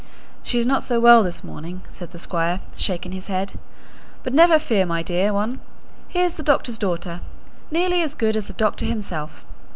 "She is not so well this morning," said the Squire, shaking his head. "But never fear, my dear one; here's the doctor's daughter, nearly as good as the doctor himself.